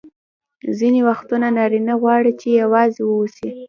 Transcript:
ځیني وختونه نارینه غواړي چي یوازي واوسي.